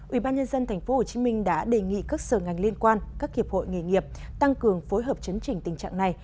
ubnd tp hcm đã đề nghị các sở ngành liên quan các hiệp hội nghề nghiệp tăng cường phối hợp chấn chỉnh tình trạng này